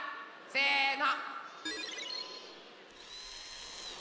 せの！